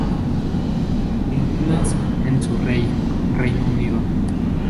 Philomena´s, en Surrey, Reino Unido.